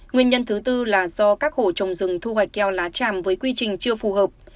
nguyên nhân thứ tư là do các hộ trồng rừng thu hoạch keo lá tràm với quy trình chưa phù hợp